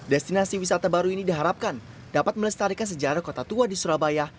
destinasi wisata baru ini diharapkan dapat melestarikan sejarah kota tua di surabaya